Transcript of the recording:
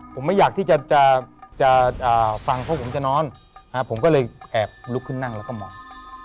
ผมไม่อยากที่จะฟังเพราะผมจะนอนผมก็เลยแอบลุกขึ้นนั่งแล้วก็มอง